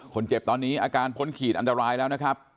คนเจ็บตอนนี้อาการพ้นขีดอันตรายแล้วนะครับ